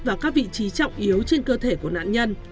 vào các vị trí trọng yếu trên cơ thể của nạn nhân